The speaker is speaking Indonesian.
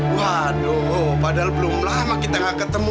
waduh padahal belum lama kita gak ketemu